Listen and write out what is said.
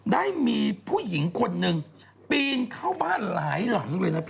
ได้มีผู้หญิงคนหนึ่งปีนเข้าบ้านหลายหลังเลยนะพี่